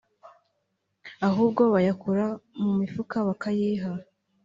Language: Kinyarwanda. ahubwo bayakura mu mifuka bakayayiha